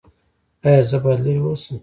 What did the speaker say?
ایا زه باید لرې اوسم؟